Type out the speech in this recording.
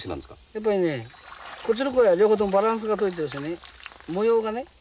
やっぱりねこっちの鯉は両方ともバランスが取れてるしね模様がね。